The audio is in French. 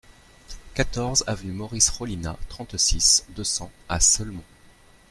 quatorze avenue Maurice Rollinat, trente-six, deux cents à Ceaulmont